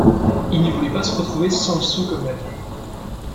Il ne voulait pas se retrouver sans le sou comme la veille.